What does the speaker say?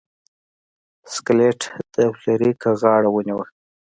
سکلیټ د فلیریک غاړه ونیوه.